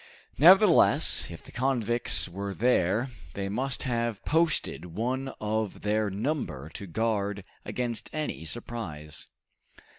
Nevertheless, if the convicts were there, they must have posted one of their number to guard against any surprise.